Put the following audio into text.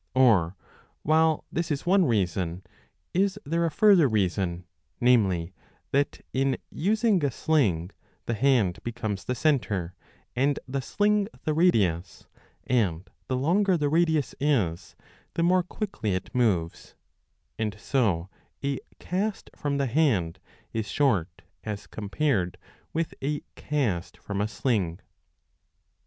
Or, while this is one reason, is there a further reason, namely, that in using a sling the hand becomes the centre and the sling the radius, and the longer the radius is the more quickly it moves, and so a cast from the hand is short as compared with a cast from a sling